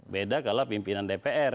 beda kalau pimpinan dpr